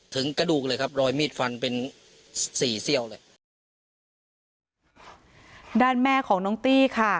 กระดูกเลยครับรอยมีดฟันเป็นสี่เซี่ยวเลยด้านแม่ของน้องตี้ค่ะ